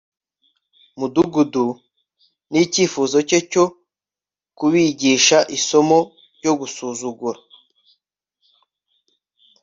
mudugudu n'icyifuzo cye cyo kubigisha isomo ryo gusuzugura